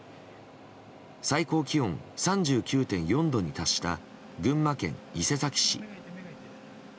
最高気温３９．４度に達した群馬県伊勢崎市。